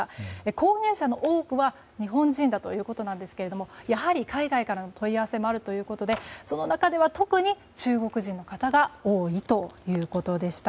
購入者の多くは日本人だということなんですがやはり海外からの問い合わせもあるということでその中では、特に中国人の方が多いということでした。